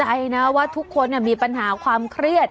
เราเข้าใจนะว่าทุกคนเนี่ยมีปัญหาความเครียด